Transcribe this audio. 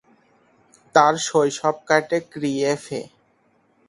তার শৈশব কাটে ক্রিয়েফে।